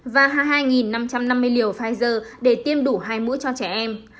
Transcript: và hai mươi hai năm trăm năm mươi liều pfizer để tiêm đủ hai mũi cho trẻ em